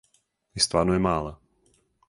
И стварно је мала.